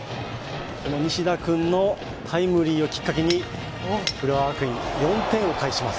西田君のタイムリーをきっかけに、浦和学院、４点を返します。